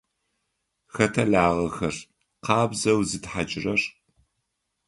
Хэта лагъэхэр къабзэу зытхьакӏырэр?